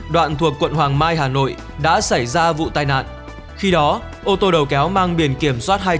đoạn thuộc quận hoàng mai hà nội đã xảy ra vụ tai nạn khi đó ô tô đầu kéo mang biển kiểm soát